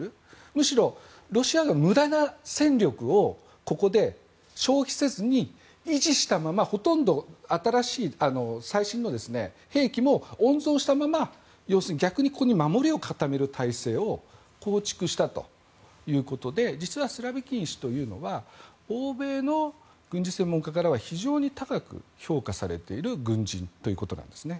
むしろ、ロシア軍は無駄な戦力をここで消費せずに維持したままほとんど最新の兵器も温存したまま逆に守りを固める体制を構築したということで実はスロビキン氏というのは欧米の軍事専門家からは非常に高く評価されている軍人ということなんですね。